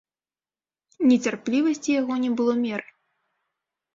Нецярплівасці яго не было меры.